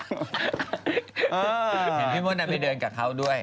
เห็นพี่มดไปเดินกับเขาด้วย